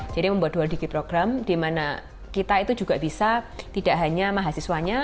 membuat dua digit program di mana kita itu juga bisa tidak hanya mahasiswanya